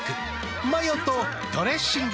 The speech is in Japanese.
マヨとドレッシングで。